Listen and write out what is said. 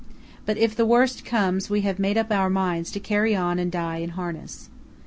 But if the worst comes we have made up our minds to carry on and die in harness.